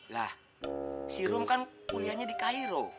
lah si rum kan kuliahnya di cairo